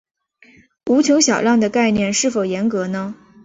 无穷小量的概念是否严格呢？